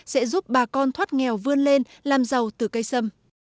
sẽ giúp bà con thoát nghèo vươn lên làm giàu từ cây sâm